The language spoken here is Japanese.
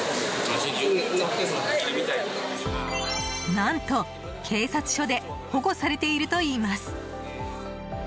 何と警察署で保護されているといいます。